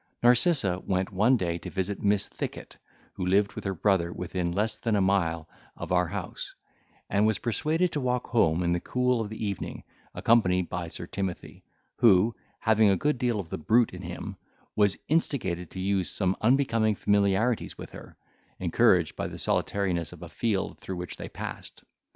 Narcissa went one day to visit Miss Thicket, who lived with her brother within less than a mile of our house, and was persuaded to walk home in the cool of the evening, accompanied by Sir Timothy, who, having a good deal of the brute in him, was instigated to use some unbecoming familiarities with her, encouraged by the solitariness of a field through which they passed.